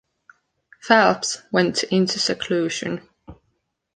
Phelps went into seclusion.